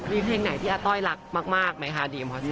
มีเพลงไหนที่อาต้อยรักมากไหมคะดีมพอสิ